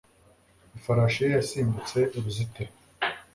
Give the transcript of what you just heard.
ifarashi ye yasimbutse uruzitiro